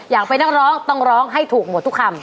อยากเป็นนักร้องต้องร้องให้ถูกหมดทุกคำ